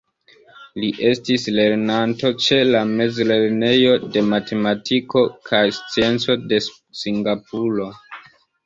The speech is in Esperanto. Li estis lernanto ĉe la Mezlernejo de Matematiko kaj Scienco de Singapuro.